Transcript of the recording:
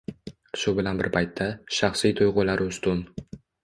Shu bilan bir paytda, shaxsiy tuygʻulari ustun.